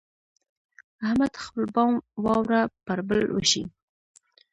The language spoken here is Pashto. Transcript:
احمد خپل بام واوره پر بل وشي.